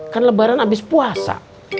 kan lebaran abis puasa